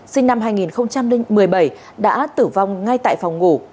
sinh năm hai nghìn một mươi bảy đã tử vong ngay tại phòng ngủ